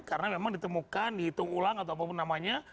karena memang ditemukan dihitung ulang atau apapun namanya